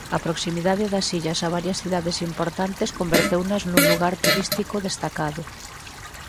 A proximidade das illas a varias cidades importantes converteunas nun lugar turístico destacado.